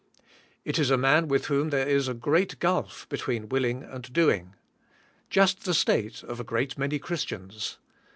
It is a man with whom there is a great gulf between willing and doing. Just the state of a great many Christians.